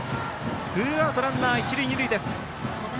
ツーアウトランナー、一塁二塁です。